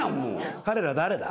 彼ら誰だ？